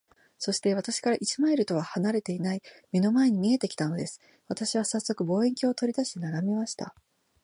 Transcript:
そして、私から一マイルとは離れていない眼の前に見えて来たのです。私はさっそく、望遠鏡を取り出して眺めました。